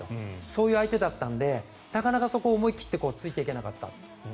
そういう相手だったのでなかなかそこを思い切って突いていけなかった。